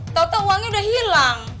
tau tau uangnya udah hilang